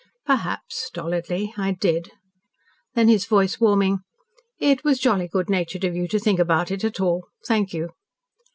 "Perhaps," stolidly, "I did." Then, his voice warming, "It was jolly good natured of you to think about it at all. Thank you."